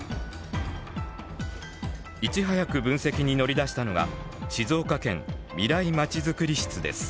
いち早く分析に乗り出したのが静岡県未来まちづくり室です。